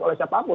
oleh siapa pun